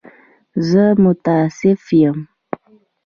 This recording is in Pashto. زه متأسف یم.